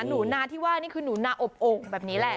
หนูนาที่ว่านี่คือหนูนาอบโอ่งแบบนี้แหละ